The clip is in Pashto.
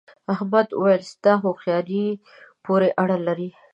احمد وويل: ستا هوښیارۍ پورې اړه لري.